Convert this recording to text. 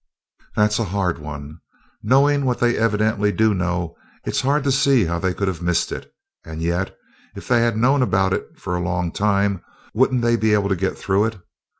"That's a hard one. Knowing what they evidently do know, it's hard to see how they could have missed it. And yet, if they had known about it for a long time, wouldn't they be able to get through it?